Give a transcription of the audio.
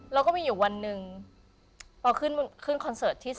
เราก็มีอยู่วันหนึ่งพอขึ้นคอนเสิร์ตที่สมุทรสาคร